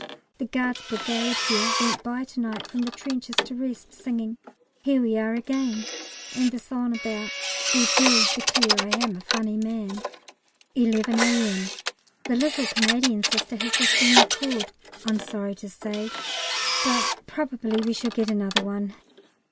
The Guards' Brigade here went by to night from the trenches to rest, singing "Here we are again," and the song about "The girls declare I am a funny man!" 11 A.M. The little Canadian Sister has just been recalled, I'm sorry to say, but probably we shall get another one.